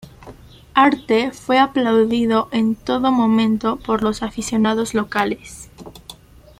Harte fue aplaudido en todo momento por los aficionados locales.